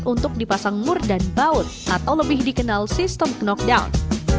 untuk dipasang mur dan baut atau lebih dikenal sistem knockdown